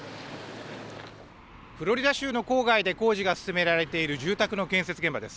フロリダ州の郊外で工事が進められている住宅の建設現場です。